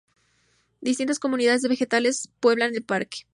Distintas comunidades de vegetales pueblan el parque.